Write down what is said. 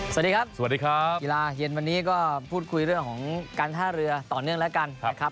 สวัสดีครับสวัสดีครับกีฬาเย็นวันนี้ก็พูดคุยเรื่องของการท่าเรือต่อเนื่องแล้วกันนะครับ